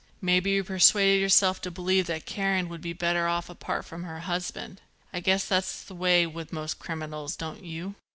Maybe you persuaded yourself to believe that Karen would be better off apart from her husband. I guess that's the way with most criminals, don't you?